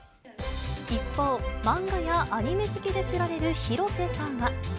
一方、漫画やアニメ好きで知られる広瀬さんは。